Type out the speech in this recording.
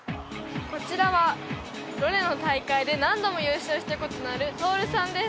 こちらはロレの大会で何度も優勝したことのあるトールさんです